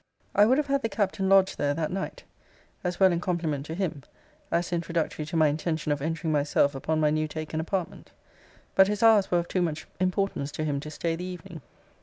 I would have had the Captain lodge there that night, as well in compliment to him, as introductory to my intention of entering myself upon my new taken apartment: but his hours were of too much importance to him to stay the evening.